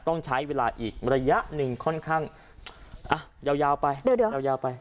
ต้องใช้เวลาอีกระยะหนึ่งค่อนข้างอ่ะยาวไปเดี๋ยวยาวไป